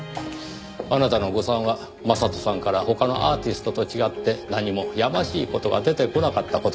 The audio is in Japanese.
あなたの誤算は将人さんから他のアーティストと違って何もやましい事が出てこなかった事です。